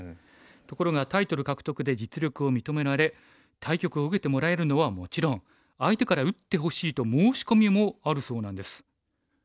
ところがタイトル獲得で実力を認められ対局を受けてもらえるのはもちろん相手から打ってほしいと申し込みもあるそうなんです。